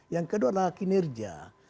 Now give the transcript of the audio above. yang kedua adalah kinerja